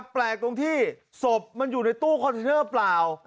แปลกตรงที่ศพมันอยู่ในตู้คอนเทนเนอร์เปล่า